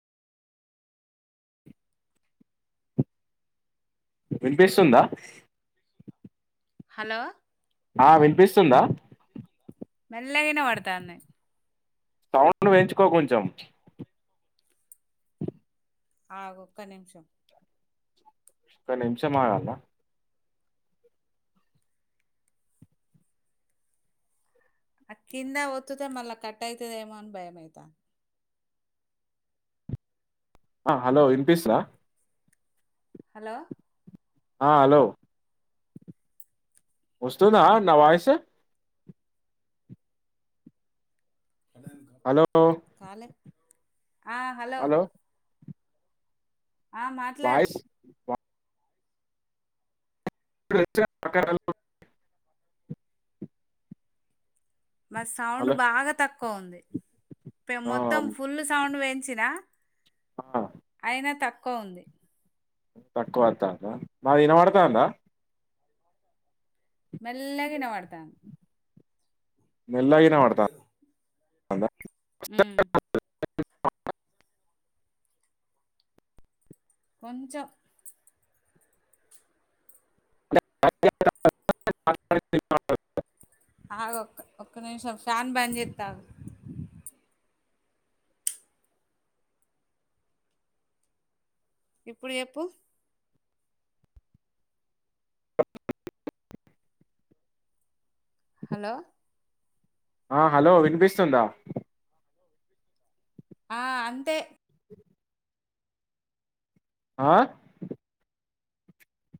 వినిపిస్తుందా హలో ఆ వినిపిస్తుందా మెల్లగా వినవాడ్తాంది సౌండ్ పెంచుకో కొంచెం ఆగు ఒక్క నిమిషం ఒక నిమిషం ఆగాలా ఆ కింద ఒత్తుతే మళ్ళా కట్ ఐతాదోమో అని భయమయ్తాంది ఆ హలో ఇన్పిసరా హలో ఆ హలో వొస్తుందా నా వాయిస్ హలో కాలే హలో ఆ మాట్లాడు వాయిస్ మాది సౌండ్ హలో బాగా తక్కువ ఉంది పే ఆ మొత్తం ఫుల్ సౌండ్ వెంచిన ఆ అయినా తక్కువ ఉంది తక్కువత్తాంద మాది ఇనబడతందా మెల్లగా ఇనబడత మెల్లగా ఇనవడుత వుందా ఉమ్ కొంచం [inaudible] ఆగు ఒక్క ఒక్క నిమిషం ఫ్యాన్ బంజెత్తాగు ఇప్పుడు ఎప్పు హలో ఆ హలో వినిపిస్తుందా ఆ అంతే ఆ